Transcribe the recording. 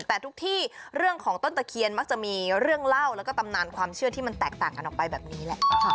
แต่ทุกที่เรื่องของต้นตะเคียนมักจะมีเรื่องเล่าแล้วก็ตำนานความเชื่อที่มันแตกต่างกันออกไปแบบนี้แหละ